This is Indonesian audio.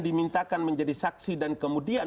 dimintakan menjadi saksi dan kemudian